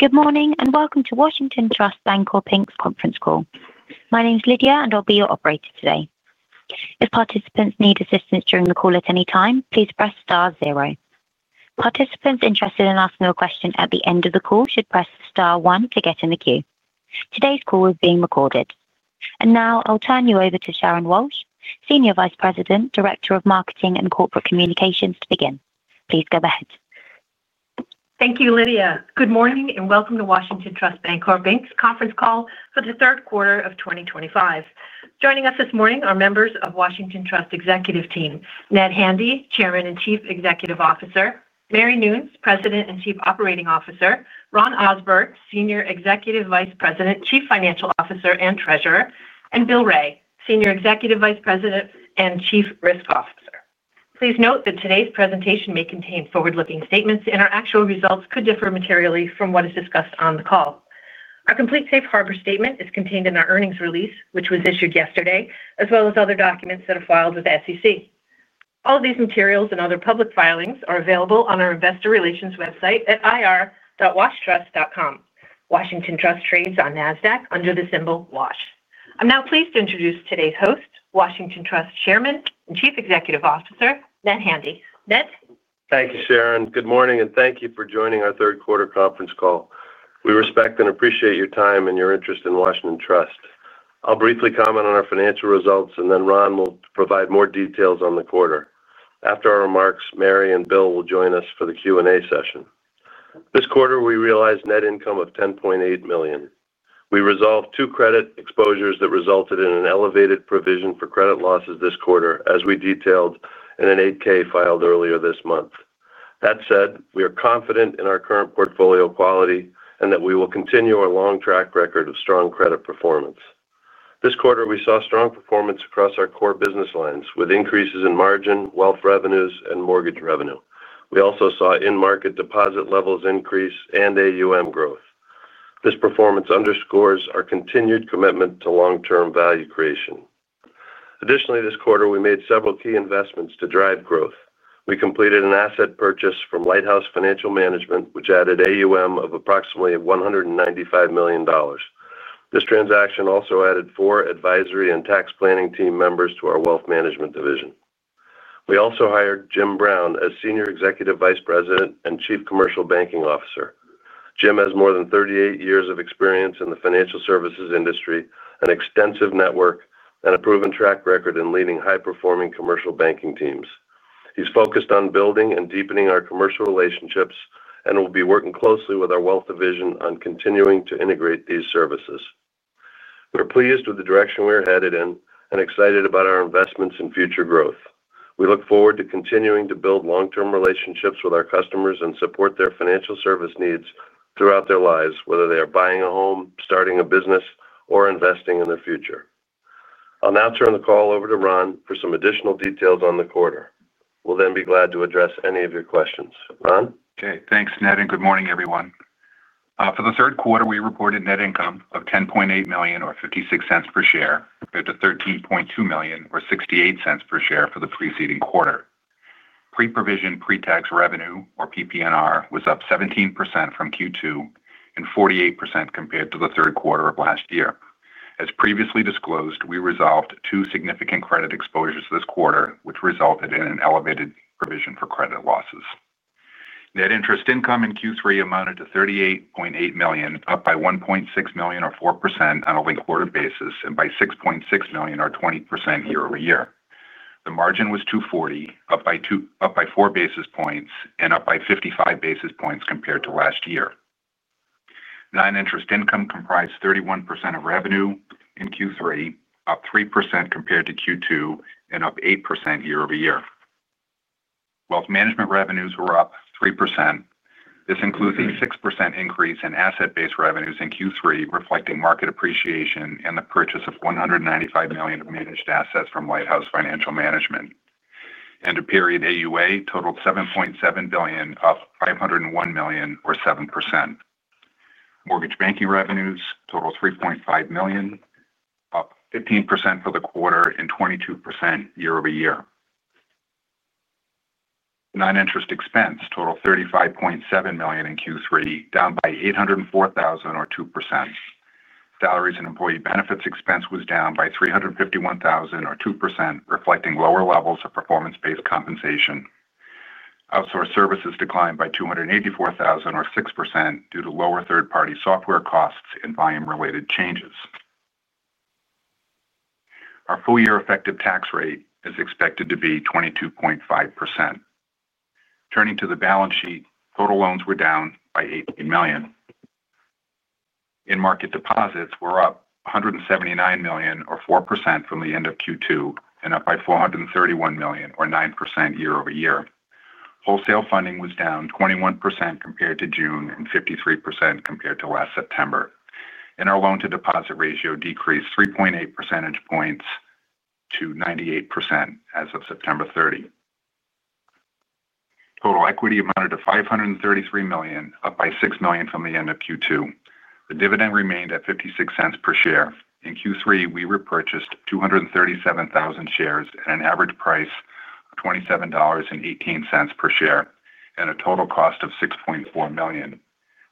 Good morning and welcome to Washington Trust Bancorp, Inc's conference call. My name is Lydia, and I'll be your operator today. If participants need assistance during the call at any time, please press star zero. Participants interested in asking a question at the end of the call should press star one to get in the queue. Today's call is being recorded. Now I'll turn you over to Sharon Walsh, Senior Vice President, Director of Marketing and Corporate Communications, to begin. Please go ahead. Thank you, Lydia. Good morning and welcome to Washington Trust Bancorp, Inc's conference call for the third quarter of 2025. Joining us this morning are members of Washington Trust's executive team: Ned Handy, Chairman and Chief Executive Officer; Mary Noons, President and Chief Operating Officer; Ron Ohsberg, Senior Executive Vice President, Chief Financial Officer and Treasurer; and Bill Wray, Senior Executive Vice President and Chief Risk Officer. Please note that today's presentation may contain forward-looking statements, and our actual results could differ materially from what is discussed on the call. Our complete safe harbor statement is contained in our earnings release, which was issued yesterday, as well as other documents that are filed with the SEC. All of these materials and other public filings are available on our investor relations website at ir.washtrust.com. Washington Trust trades on NASDAQ under the symbol WASH. I'm now pleased to introduce today's host, Washington Trust's Chairman and Chief Executive Officer, Ned Handy. Ned? Thank you, Sharon. Good morning and thank you for joining our third-quarter conference call. We respect and appreciate your time and your interest in Washington Trust. I'll briefly comment on our financial results, and then Ron will provide more details on the quarter. After our remarks, Mary and Bill will join us for the Q&A session. This quarter, we realized a net income of $10.8 million. We resolved two credit exposures that resulted in an elevated provision for credit losses this quarter, as we detailed in a Form 8-K filed earlier this month. That said, we are confident in our current portfolio quality and that we will continue our long track record of strong credit performance. This quarter, we saw strong performance across our core business lines, with increases in margin, wealth revenues, and mortgage revenue. We also saw in-market deposit levels increase and AUM growth. This performance underscores our continued commitment to long-term value creation. Additionally, this quarter, we made several key investments to drive growth. We completed an asset purchase from Lighthouse Financial management, which added AUM of approximately $195 million. This transaction also added four advisory and tax planning team members to our wealth management division. We also hired Jim Brown as Senior Executive Vice President and Chief Commercial Banking Officer. Jim has more than 38 years of experience in the financial services industry, an extensive network, and a proven track record in leading high-performing commercial banking teams. He's focused on building and deepening our commercial relationships and will be working closely with our wealth division on continuing to integrate these services. We're pleased with the direction we are headed in and excited about our investments in future growth. We look forward to continuing to build long-term relationships with our customers and support their financial service needs throughout their lives, whether they are buying a home, starting a business, or investing in their future. I'll now turn the call over to Ron for some additional details on the quarter. We'll then be glad to address any of your questions. Ron? Okay. Thanks, Ned, and good morning, everyone. For the third quarter, we reported a net income of $10.8 million or $0.56 per share compared to $13.2 million or $0.68 per share for the preceding quarter. Pre-provision pre-tax revenue, or PP&R, was up 17% from Q2 and 48% compared to the third quarter of last year. As previously disclosed, we resolved two significant credit exposures this quarter, which resulted in an elevated provision for credit losses. Net interest income in Q3 amounted to $38.8 million, up by $1.6 million or 4% on a linked quarter basis, and by $6.6 million or 20% year-over-year. The margin was 2.40%, up by four basis points and up by 55 basis points compared to last year. Non-interest income comprised 31% of revenue in Q3, up 3% compared to Q2, and up 8% year-over-year. Wealth management revenues were up 3%. This includes a 6% increase in asset-based revenues in Q3, reflecting market appreciation and the purchase of $195 million of managed assets from Lighthouse Financial management. End-of-period AUA totaled $7.7 billion, up $501 million or 7%. Mortgage banking revenues totaled $3.5 million, up 15% for the quarter and 22% year-over-year. Non-interest expense totaled $35.7 million in Q3, down by $804,000 or 2%. Salaries and employee benefits expense was down by $351,000 or 2%, reflecting lower levels of performance-based compensation. Outsourced services declined by $284,000 or 6% due to lower third-party software costs and volume-related changes. Our full-year effective tax rate is expected to be 22.5%. Turning to the balance sheet, total loans were down by $18 million. In-market deposits were up $179 million or 4% from the end of Q2 and up by $431 million or 9% year-over-year. Wholesale funding was down 21% compared to June and 53% compared to last September. Our loan-to-deposit ratio decreased 3.8 percentage points to 98% as of September 30. Total equity amounted to $533 million, up by $6 million from the end of Q2. The dividend remained at $0.56 per share. In Q3, we repurchased 237,000 shares at an average price of $27.18 per share and a total cost of $6.4 million.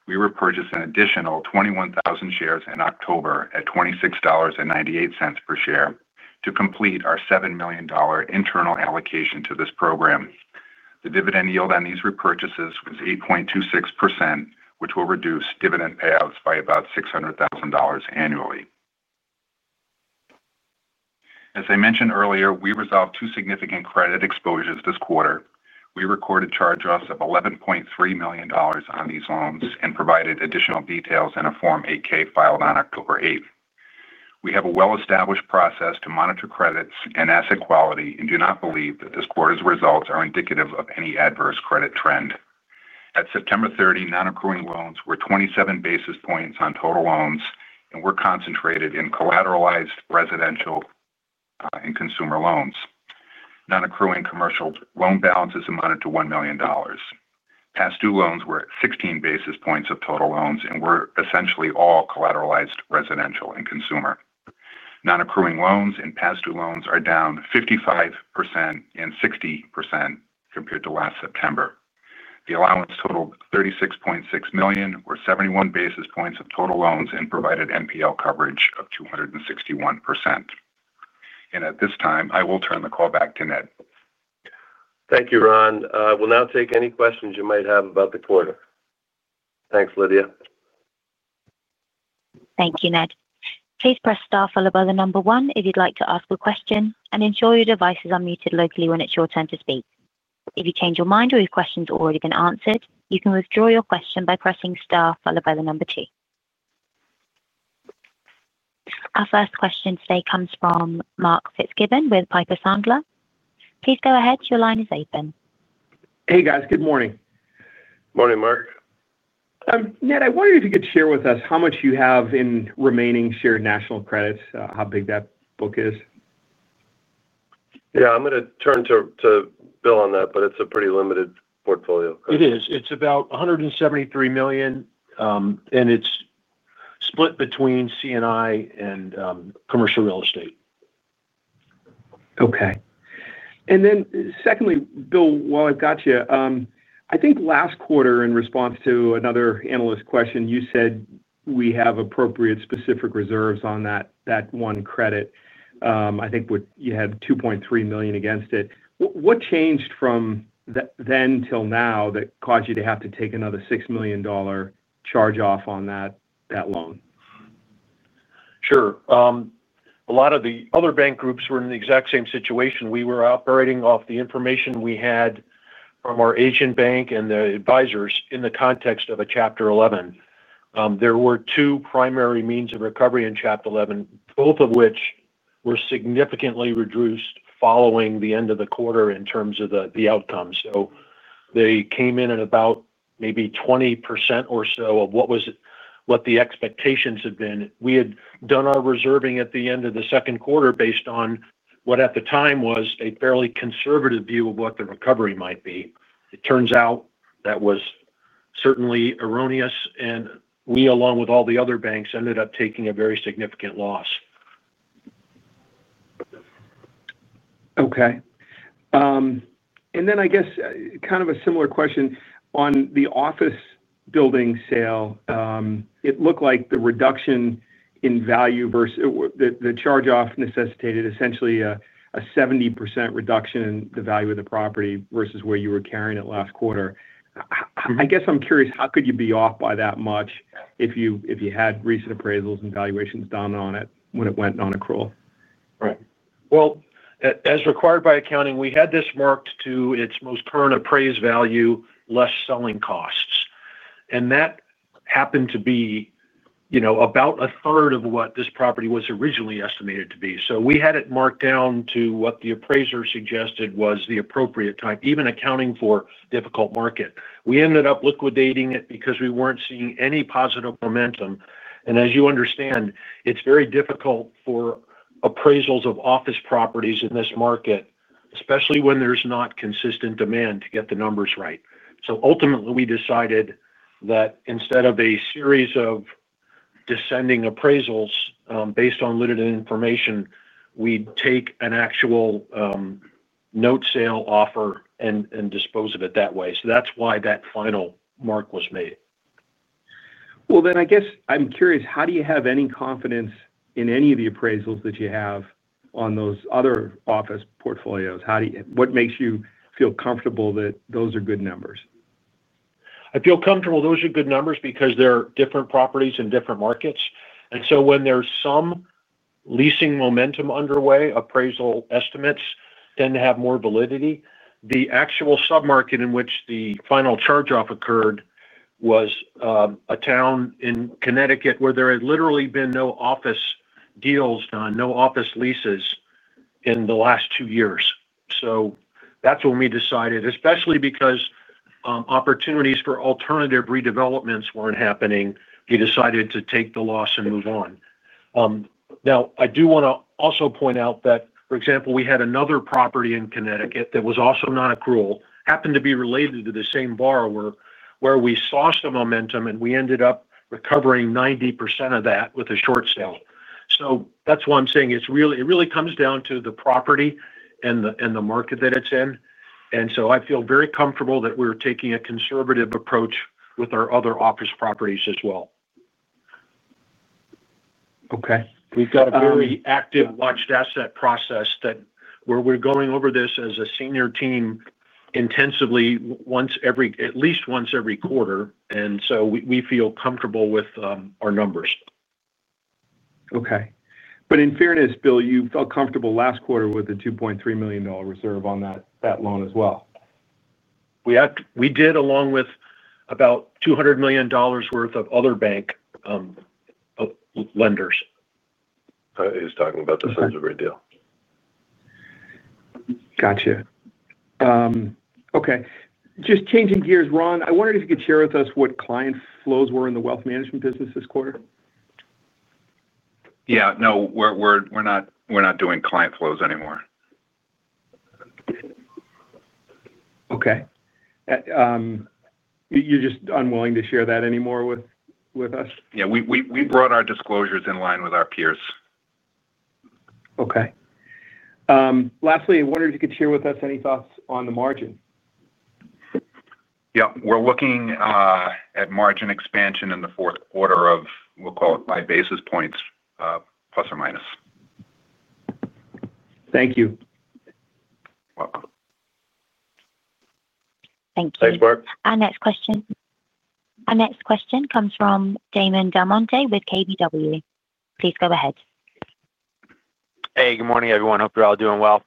We repurchased an additional 21,000 shares in October at $26.98 per share to complete our $7 million internal allocation to this program. The dividend yield on these repurchases was 8.26%, which will reduce dividend payouts by about $600,000 annually. As I mentioned earlier, we resolved two significant credit exposures this quarter. We recorded charge-offs of $11.3 million on these loans and provided additional details in a Form 8-K filed on October 8. We have a well-established process to monitor credits and asset quality and do not believe that this quarter's results are indicative of any adverse credit trend. At September 30, non-accruing loans were 27 basis points on total loans and were concentrated in collateralized residential and consumer loans. Non-accruing commercial loan balances amounted to $1 million. Past due loans were at 16 basis points of total loans and were essentially all collateralized residential and consumer. Non-accruing loans and past due loans are down 55% and 60% compared to last September. The allowance totaled $36.6 million or 71 basis points of total loans and provided NPL coverage of 261%. At this time, I will turn the call back to Ned. Thank you, Ron. We'll now take any questions you might have about the quarter. Thanks, Lydia. Thank you, Ned. Please press star followed by the number one if you'd like to ask a question and ensure your device is unmuted locally when it's your turn to speak. If you change your mind or your question's already been answered, you can withdraw your question by pressing star followed by the number two. Our first question today comes from Mark Fitzgibbon with Piper Sandler. Please go ahead. Your line is open. Hey, guys. Good morning. Morning, Mark. I'm Ned. I wonder if you could share with us how much you have in remaining shared national credits, how big that book is. Yeah, I'm going to turn to Bill on that, but it's a pretty limited portfolio. It is. It's about $173 million, and it's split between CNI and commercial real estate. Okay. Secondly, Bill, while I've got you, I think last quarter, in response to another analyst's question, you said we have appropriate specific reserves on that one credit. I think you had $2.3 million against it. What changed from then till now that caused you to have to take another $6 million charge-off on that loan? A lot of the other bank groups were in the exact same situation. We were operating off the information we had from our Asian bank and the advisors in the context of a Chapter 11. There were two primary means of recovery in Chapter 11, both of which were significantly reduced following the end of the quarter in terms of the outcome. They came in at about maybe 20% or so of what the expectations had been. We had done our reserving at the end of the second quarter based on what at the time was a fairly conservative view of what the recovery might be. It turns out that was certainly erroneous, and we, along with all the other banks, ended up taking a very significant loss. Okay. I guess kind of a similar question. On the office building sale, it looked like the reduction in value versus the charge-off necessitated essentially a 70% reduction in the value of the property versus where you were carrying it last quarter. I guess I'm curious, how could you be off by that much if you had recent appraisals and valuations done on it when it went non-accrual? Right. As required by accounting, we had this marked to its most current appraised value, less selling costs. That happened to be about a third of what this property was originally estimated to be. We had it marked down to what the appraiser suggested was the appropriate time, even accounting for a difficult market. We ended up liquidating it because we weren't seeing any positive momentum. As you understand, it's very difficult for appraisals of office properties in this market, especially when there's not consistent demand to get the numbers right. Ultimately, we decided that instead of a series of descending appraisals based on limited information, we'd take an actual note sale offer and dispose of it that way. That's why that final mark was made. I guess I'm curious, how do you have any confidence in any of the appraisals that you have on those other office portfolios? What makes you feel comfortable that those are good numbers? I feel comfortable those are good numbers because they're different properties in different markets. When there's some leasing momentum underway, appraisal estimates tend to have more validity. The actual submarket in which the final charge-off occurred was a town in Connecticut where there had literally been no office deals done, no office leases in the last two years. That's when we decided, especially because opportunities for alternative redevelopments weren't happening, we decided to take the loss and move on. I do want to also point out that, for example, we had another property in Connecticut that was also non-accrual, happened to be related to the same borrower where we saw some momentum and we ended up recovering 90% of that with a short sale. That's why I'm saying it really comes down to the property and the market that it's in. I feel very comfortable that we're taking a conservative approach with our other office properties as well. Okay. We have a very active watched asset process where we're going over this as a senior team intensively at least once every quarter. We feel comfortable with our numbers. Okay. In fairness, Bill, you felt comfortable last quarter with a $2.3 million reserve on that loan as well? We did, along with about $200 million worth of other bank lenders. He's talking about the size of a great deal. Gotcha. Okay. Just changing gears, Ron, I wondered if you could share with us what client flows were in the wealth management business this quarter? Yeah, no, we're not doing client flows anymore. Okay, you're just unwilling to share that anymore with us? Yeah, we brought our disclosures in line with our peers. Okay. Lastly, I wonder if you could share with us any thoughts on the margin? We're looking at margin expansion in the fourth quarter of, we'll call it, 5 basis points, plus or minus. Thank you. You're welcome. Thank you. Thanks, Mark. Our next question comes from Damon DelMonte with KBW. Please go ahead. Hey, good morning, everyone. Hope you're all doing well.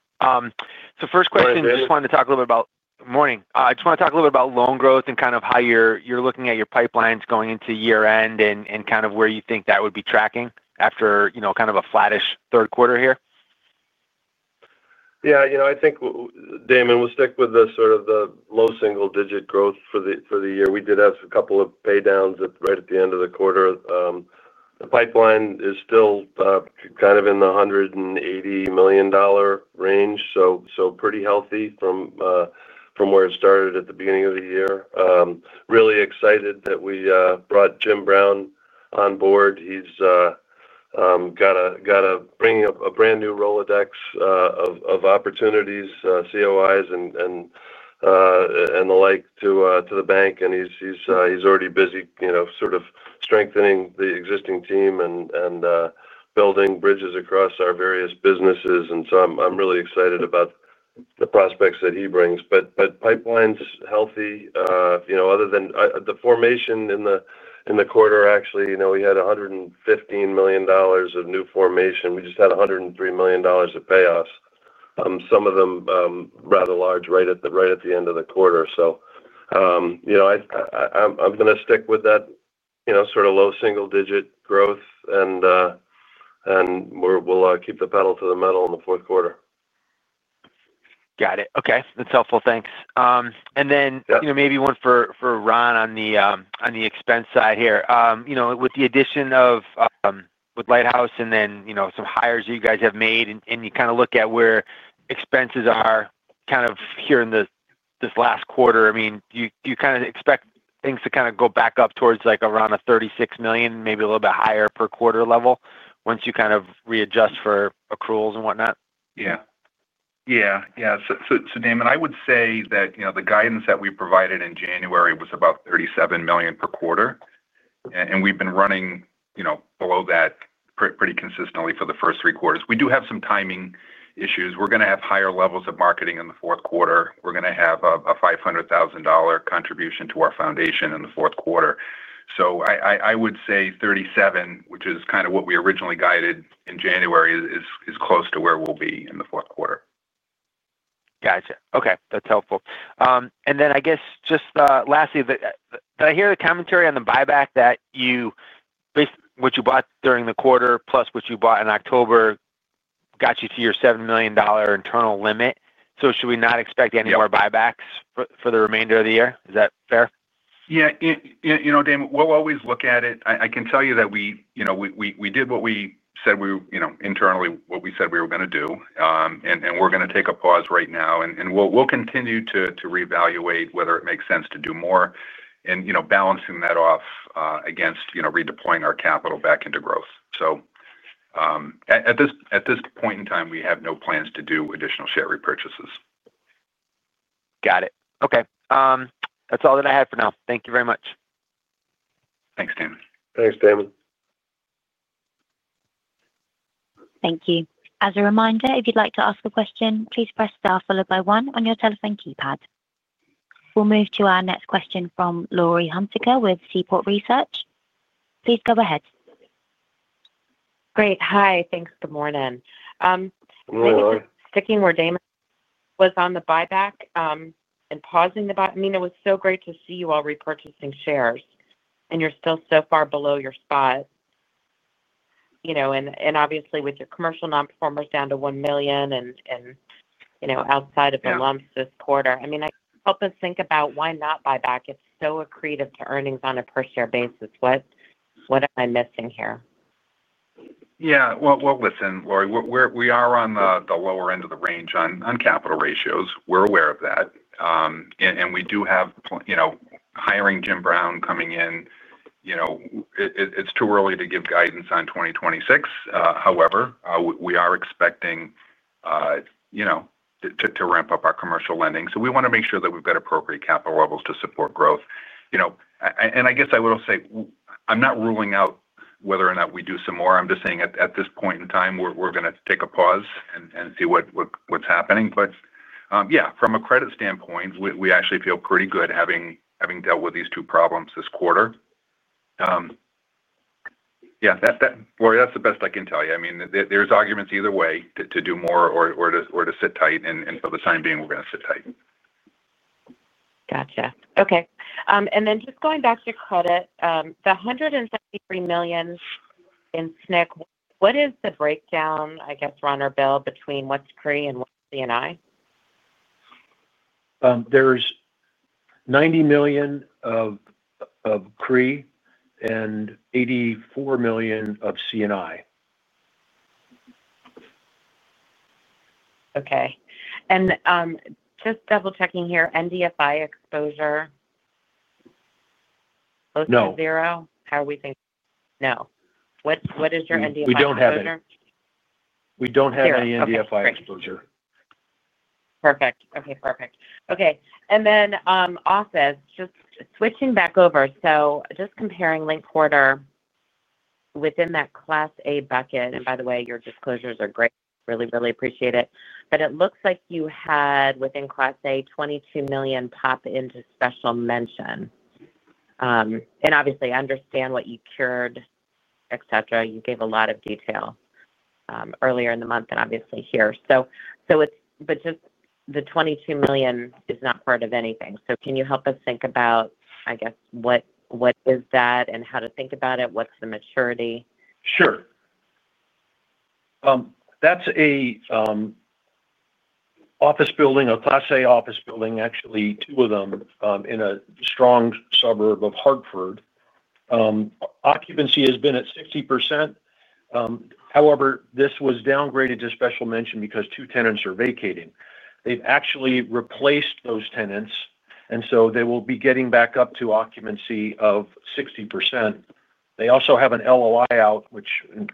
First question, just wanted to talk a little bit about. Morning. I just want to talk a little bit about loan growth and how you're looking at your pipelines going into year-end and where you think that would be tracking after a flattish third quarter here. Yeah. You know, I think, Damon, we'll stick with the sort of the low single-digit growth for the year. We did have a couple of paydowns right at the end of the quarter. The pipeline is still kind of in the $180 million range, so pretty healthy from where it started at the beginning of the year. Really excited that we brought Jim Brown on board. He's got a brand new Rolodex of opportunities, COIs, and the like to the bank. He's already busy, you know, sort of strengthening the existing team and building bridges across our various businesses. I'm really excited about the prospects that he brings. Pipeline's healthy. Other than the formation in the quarter, actually, we had $115 million of new formation. We just had $103 million of payoffs, some of them rather large right at the end of the quarter. You know, I'm going to stick with that sort of low single-digit growth and we'll keep the pedal to the metal in the fourth quarter. Got it. Okay. That's helpful. Thanks. Maybe one for Ron on the expense side here. With the addition of Lighthouse and then some hires that you guys have made, and you kind of look at where expenses are here in this last quarter, do you expect things to go back up towards around $36 million, maybe a little bit higher per quarter level once you readjust for accruals and whatnot? Yeah. So, Damon, I would say that, you know, the guidance that we provided in January was about $37 million per quarter. We've been running below that pretty consistently for the first three quarters. We do have some timing issues. We're going to have higher levels of marketing in the fourth quarter. We're going to have a $500,000 contribution to our foundation in the fourth quarter. I would say $37 million, which is kind of what we originally guided in January, is close to where we'll be in the fourth quarter. Gotcha. Okay. That's helpful. I guess just lastly, did I hear the commentary on the buyback that you basically what you bought during the quarter plus what you bought in October got you to your $7 million internal limit? Should we not expect any more buybacks for the remainder of the year? Is that fair? Yeah. You know, Damon, we'll always look at it. I can tell you that we did what we said we were going to do internally. We're going to take a pause right now and continue to reevaluate whether it makes sense to do more, balancing that off against redeploying our capital back into growth. At this point in time, we have no plans to do additional share repurchases. Got it. Okay, that's all that I had for now. Thank you very much. Thanks, Damon. Thanks, Damon. Thank you. As a reminder, if you'd like to ask a question, please press star followed by one on your telephone keypad. We'll move to our next question from Laurie Hunsicker with Seaport Research. Please go ahead. Great. Hi, thanks. Good morning. Good morning, Laurie. I'm sticking where Damon was on the buyback, and pausing the buy. It was so great to see you all repurchasing shares. You're still so far below your spot. Obviously, with your commercial non-performers down to $1 million, and outside of the lumps this quarter, help us think about why not buy back. It's so accretive to earnings on a per-share basis. What am I missing here? Yeah. Laurie, we are on the lower end of the range on capital ratios. We're aware of that, and we do have, you know, hiring Jim Brown coming in. It's too early to give guidance on 2026. However, we are expecting, you know, to ramp up our commercial lending. We want to make sure that we've got appropriate capital levels to support growth. I will say I'm not ruling out whether or not we do some more. I'm just saying at this point in time, we're going to take a pause and see what's happening. Yeah, from a credit standpoint, we actually feel pretty good having dealt with these two problems this quarter. Laurie, that's the best I can tell you. I mean, there's arguments either way to do more or to sit tight. For the time being, we're going to sit tight. Gotcha. Okay. Just going back to credit, the $173 million in shared national credits, what is the breakdown, I guess, Ron or Bill, between what's CRE and what's C&I? There's $90 million of CRE and $84 million of C&I. Okay, just double-checking here, NDFI exposure, close to zero? No. What is your NDFI exposure? We don't have it. We don't have any NDFI exposure. Perfect. Okay. And then, office, just switching back over. Just comparing linked quarter within that Class A bucket, and by the way, your disclosures are great. Really, really appreciate it. It looks like you had, within Class A, $22 million pop into special mention. Obviously, I understand what you cured, etc. You gave a lot of detail earlier in the month and obviously here. It's just the $22 million is not part of anything. Can you help us think about, I guess, what that is and how to think about it? What's the maturity? Sure. That's an office building, a Class A office building, actually, two of them, in a strong suburb of Hartford. Occupancy has been at 60%. However, this was downgraded to special mention because two tenants are vacating. They've actually replaced those tenants, and they will be getting back up to occupancy of 60%. They also have an LOI out,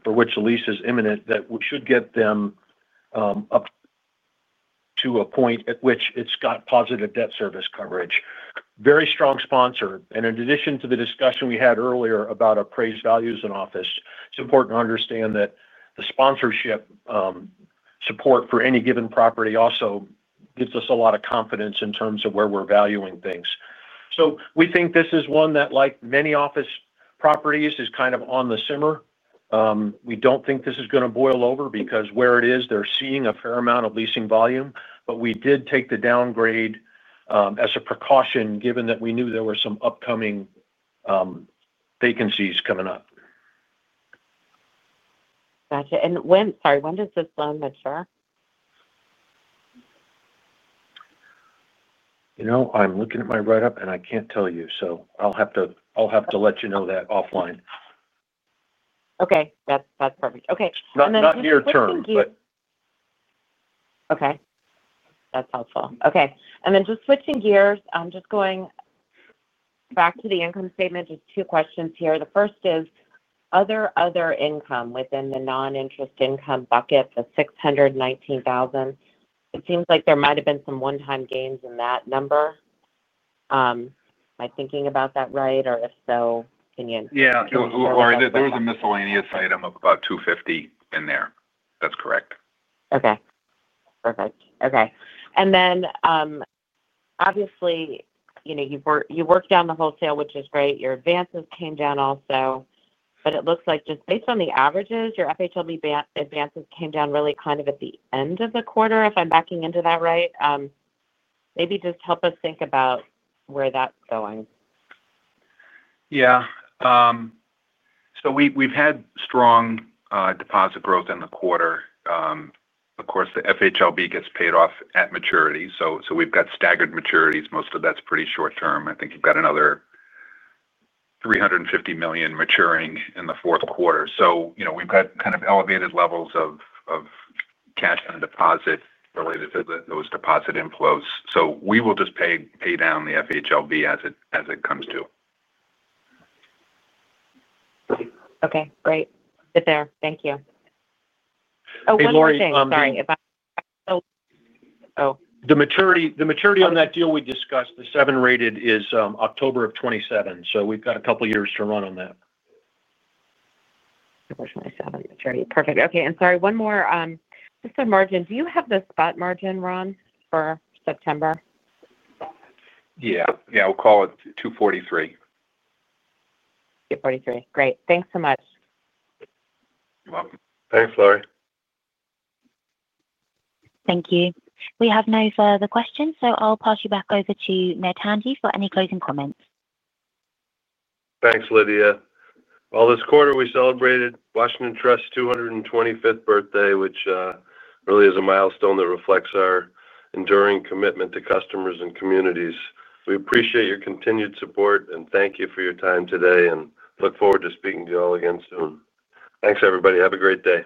for which the lease is imminent, that should get them to a point at which it's got positive debt service coverage. Very strong sponsor. In addition to the discussion we had earlier about appraised values in office, it's important to understand that the sponsorship support for any given property also gives us a lot of confidence in terms of where we're valuing things. We think this is one that, like many office properties, is kind of on the simmer. We don't think this is going to boil over because where it is, they're seeing a fair amount of leasing volume. We did take the downgrade as a precaution given that we knew there were some upcoming vacancies coming up. Gotcha. When does this loan mature? You know. I'm looking at my write-up, and I can't tell you. I'll have to let you know that offline. Okay, that's perfect. Okay. Not near term. Okay. That's helpful. Okay. Just switching gears, I'm just going back to the income statement, just two questions here. The first is, are there other income within the non-interest income bucket, the $619,000? It seems like there might have been some one-time gains in that number. Am I thinking about that right? If so, can you? Yeah, Laurie, there was a miscellaneous item of about $250,000 in there. That's correct. Okay. Perfect. Okay. Obviously, you've worked down the wholesale, which is great. Your advances came down also. It looks like, just based on the averages, your FHLB advances came down really kind of at the end of the quarter, if I'm backing into that right. Maybe just help us think about where that's going. Yeah. We've had strong deposit growth in the quarter. Of course, the FHLB gets paid off at maturity. We've got staggered maturities. Most of that's pretty short-term. I think we've got another $350 million maturing in the fourth quarter. We've got kind of elevated levels of cash and deposit related to those deposit inflows. We will just pay down the FHLB as it comes to. Okay. Great. Thank you. Oh, one more thing. Sorry. The maturity on that deal we discussed, the 7-rated, is October of 2027. We've got a couple of years to run on that. October 2027 maturity. Perfect. Okay. Sorry, one more, just a margin. Do you have the spot margin, Ron, for September? Yeah. We'll call it $243. Great. Thanks so much. You're welcome. Thanks, Laurie. Thank you. We have no further questions, so I'll pass you back over to Ned Handy for any closing comments. Thanks, Lydia. This quarter, we celebrated Washington Trust's 225th birthday, which really is a milestone that reflects our enduring commitment to customers and communities. We appreciate your continued support and thank you for your time today, and look forward to speaking to you all again soon. Thanks, everybody. Have a great day.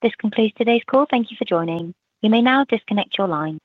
This concludes today's call. Thank you for joining. You may now disconnect your line.